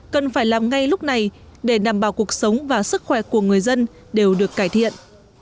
cần phải làm ngay lúc này để đảm bảo cuộc sống và sức khỏe của người dân đều được cải thiện